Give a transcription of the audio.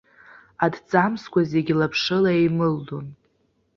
Аҭӡамцқәа зегьы лаԥшыла еимылдон.